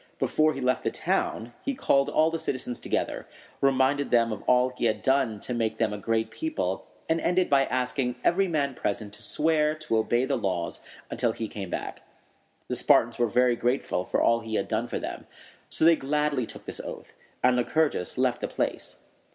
Before he left the town, he called all the citizens together, reminded them of all he had done to make them a great people, and ended by asking every man present to swear to obey the laws until he came back. The Spartans were very grateful for all he had done for them, so they gladly took this oath, and Lycurgus left the place.